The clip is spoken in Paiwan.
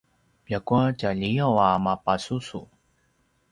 ljakua tjaliyaw a mapasusu